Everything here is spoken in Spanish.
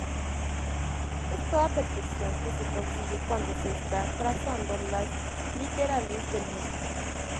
Es toda perfección que se consigue cuando se está trazando las literales del mismo.